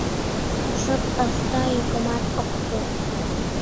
Шып ышта, йӱкымат ок пу.